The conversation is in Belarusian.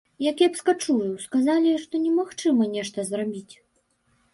Я кепска чую, сказалі, што немагчыма нешта зрабіць.